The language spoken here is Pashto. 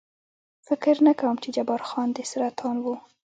فکر نه کوم، چې جبار خان دې سرطان و.